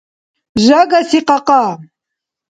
Жагаси кьакьа.